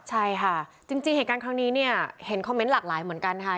ใช่ค่ะจริงเหตุการณ์ครั้งนี้เนี่ยเห็นคอมเมนต์หลากหลายเหมือนกันค่ะ